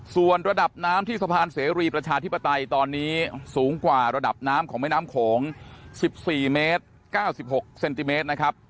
ส่วนระดับน้ำที่สะพานเสรีประชาธิปไตยตอนนี้สูงกว่าระดับน้ำของแม่น้ำโขง๑๔เมตร๙๖เซนติเมตรนะครับ